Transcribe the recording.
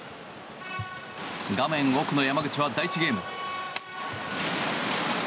画面奥の山口は第１ゲーム。